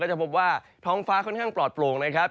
จะพบว่าท้องฟ้าค่อนข้างปลอดโปร่งนะครับ